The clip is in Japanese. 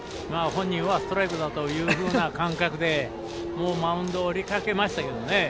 本人はストライクだというふうな感覚でマウンドを降りかけましたけどね。